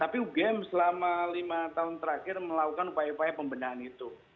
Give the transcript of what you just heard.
tapi ugm selama lima tahun terakhir melakukan upaya upaya pembenahan itu